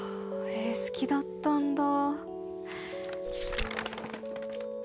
絵好きだったんだ。